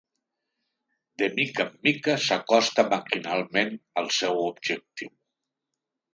De mica en mica s'acosta maquinalment al seu objectiu.